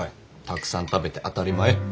たくさん食べて当たり前。